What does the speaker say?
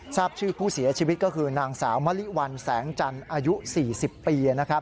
ทราบชื่อผู้เสียชีวิตก็คือนางสาวมะลิวันแสงจันทร์อายุ๔๐ปี